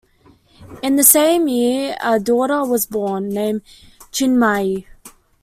In the same year a daughter was born, named Chinmayee.